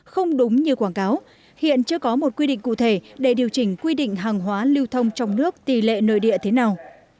không đúng như quảng cáo hiện chưa có một quy định cụ thể để điều chỉnh quy định hàng hóa lưu thông trong nước tỷ lệ nội địa thế nào